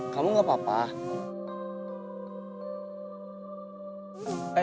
kamu gak apa apa